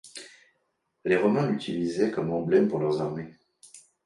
Les Romains l'utilisaient comme emblème pour leurs armées.